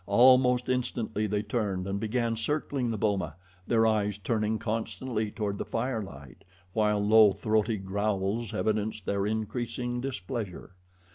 Almost instantly they turned and began circling the boma, their eyes turning constantly toward the firelight, while low, throaty growls evidenced their increasing displeasure.